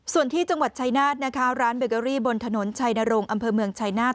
ส่วนที่จังหวัดชัยนาธิ์นะคะร้านเบอร์เกอรี่บนถนนชัยนาโรงอำเภอเมืองชัยนาธิ์